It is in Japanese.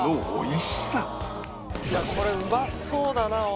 いやこれうまそうだなおい。